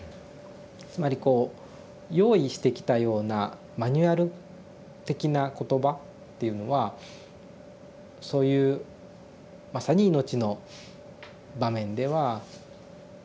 つまりこう用意してきたようなマニュアル的な言葉っていうのはそういうまさに命の場面では通じるはずがない。